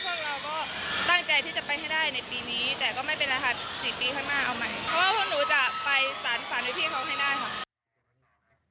เพราะว่าพวกหนูจะไปสารฝ่าพี่เขาให้ได้ค่ะ